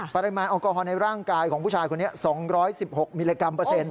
ปริมาณแอลกอฮอลในร่างกายของผู้ชายคนนี้๒๑๖มิลลิกรัมเปอร์เซ็นต